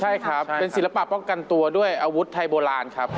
ใช่ครับเป็นศิลปะป้องกันตัวด้วยอาวุธไทยโบราณครับ